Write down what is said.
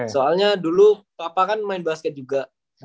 soalnya dulu papa kan main basket juga